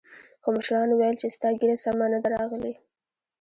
خو مشرانو ويل چې ستا ږيره سمه نه ده راغلې.